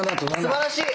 すばらしい！